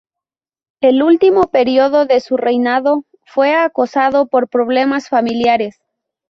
El último periodo de su reinado fue acosado por problemas familiares.